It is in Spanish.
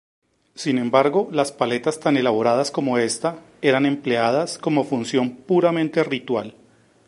Sin embargo, las paletas tan elaboradas como esta, eran empleadas como función puramente ritual.